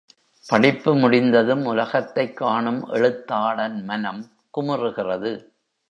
படிப்பு முடிந்ததும் உலகத்தைக் காணும் எழுத்தாளன் மனம் குமுறுகிறது.